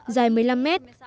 dài một mươi năm mét